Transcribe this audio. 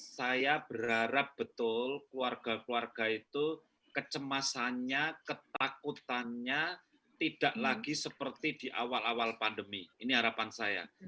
saya berharap betul keluarga keluarga itu kecemasannya ketakutannya tidak lagi seperti di awal awal pandemi ini harapan saya